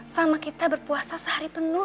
sama kita berpuasa sehari penuh